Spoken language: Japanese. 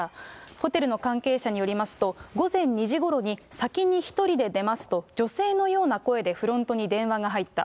ホテルの関係者によりますと、午前２時ごろに先に１人で出ますと、女性のような声でフロントに電話が入った。